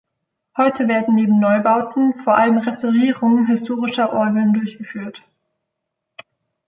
Heute werden neben Neubauten vor allem Restaurierungen historischer Orgeln durchgeführt.